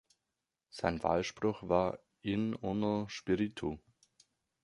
Sein Wahlspruch war: "In uno Spiritu".